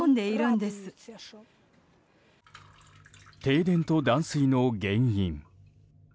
停電と断水の原因。